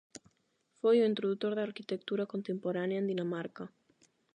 Foi o introdutor da arquitectura contemporánea en Dinamarca.